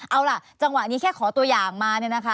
เอาล่ะจังหวะนี้แค่ขอตัวอย่างมา